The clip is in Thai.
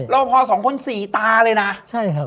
รอพอ๒คนสีตาเลยนะ